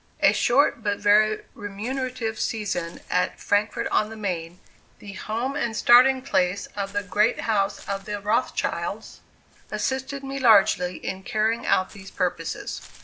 A short but very remunerative season at Frankfort on the Maine, the home and starting place of the great house of the Rothschilds, assisted me largely in carrying out these purposes.